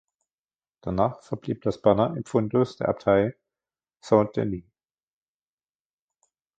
Danach verblieb das Banner im Fundus der Abtei Saint-Denis.